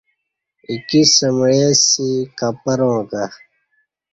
ایکی سمعےسہ کپراں کہ